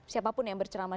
siapapun yang bercerama